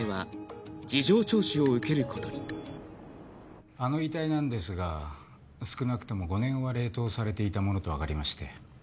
警察と鉢合わせたあの遺体なんですが少なくとも５年は冷凍されていたものと分かりまして。